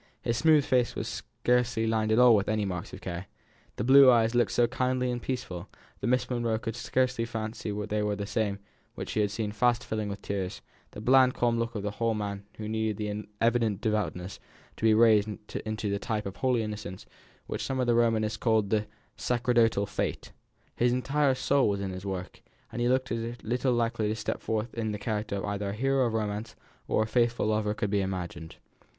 His smooth fair face was scarcely lined at all with any marks of care; the blue eyes looked so kindly and peaceful, that Miss Monro could scarcely fancy they were the same which she had seen fast filling with tears; the bland calm look of the whole man needed the ennoblement of his evident devoutness to be raised into the type of holy innocence which some of the Romanists call the "sacerdotal face." His entire soul was in his work, and he looked as little likely to step forth in the character of either a hero of romance or a faithful lover as could be imagined.